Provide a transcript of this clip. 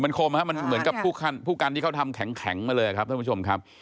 มันคมมันเหมือนกับผู้กันที่เขาทำแข็งมาเลยครับท่านผู้ชมครับ